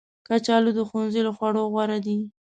کچالو د ښوونځي له خوړو غوره دي